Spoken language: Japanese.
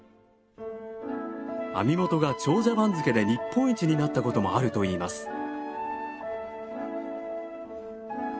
網元が長者番付で日本一になったこともあるといいます。